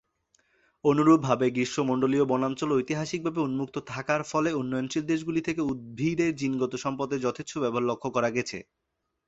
অনুরূপভাবে গ্রীষ্মমন্ডলীয় বনাঞ্চল ঐতিহাসিকভাবে উন্মুক্ত থাকার ফলে উন্নয়নশীল দেশগুলি থেকে উদ্ভিদের জিনগত সম্পদের যথেচ্ছ ব্যবহার লক্ষ্য করা গেছে।